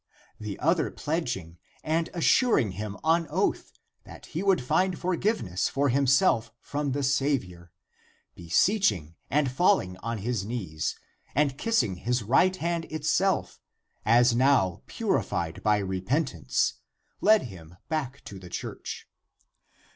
The other pledg ing, and assuring him on oath that he would find forgiveness for himself from the Saviour, beseech ing and falling on his knees, and kissing his right hand itself, as now purified by repentance, led him ACTS OF JOHN 199 back to the church.